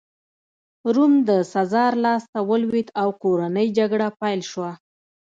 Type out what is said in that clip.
روم د سزار لاسته ولوېد او کورنۍ جګړه پیل شوه